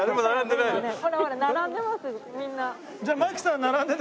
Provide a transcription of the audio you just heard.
みんな。